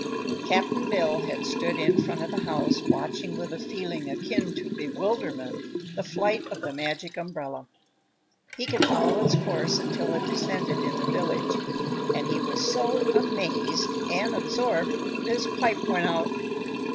Cap'n Bill had stood in front of the house, watching with a feeling akin to bewilderment the flight of the Magic Umbrella. He could follow its course until it descended in the village and he was so amazed and absorbed that his pipe went out.